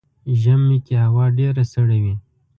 ژمی کې هوا ډیره سړه وي .